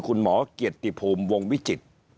คุณหมอเกียรติภูมิวงวิจิตร